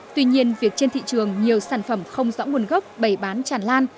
tuy nhiên việc trên thị trường nhiều sản phẩm không rõ nguồn gốc bày bán tràn lan